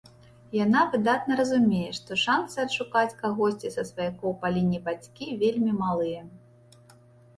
Яна выдатна разумее, што шанцы адшукаць кагосьці са сваякоў па лініі бацькі вельмі малыя.